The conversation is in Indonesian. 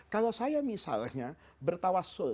kalau saya misalnya bertawassul